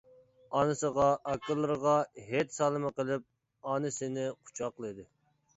ئانىسىغا، ئاكىلىرىغا ھېيت سالىمى قىلىپ ئانىسىنى قۇچاقلىدى.